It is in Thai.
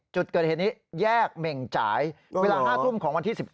จุดเกิดเหตุนี้แยกเหม่งจ่ายเวลา๕ทุ่มของวันที่๑๙